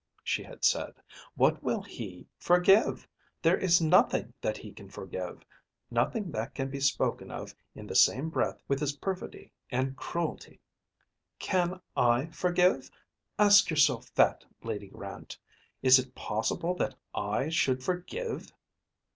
she had said. "What will he forgive? There is nothing that he can forgive; nothing that can be spoken of in the same breath with his perfidy and cruelty. Can I forgive? Ask yourself that, Lady Grant. Is it possible that I should forgive?"